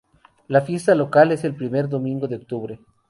La fiesta local es el primer domingo de octubre.